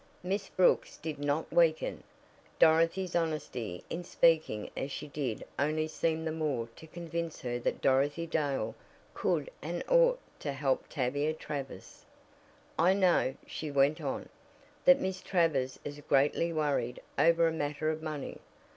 Miss Brooks did not weaken. Dorothy's honesty in speaking as she did only seemed the more to convince her that Dorothy Dale could and ought to help Tavia Travers. "I know," she went on, "that Miss Travers is greatly worried over a matter of money.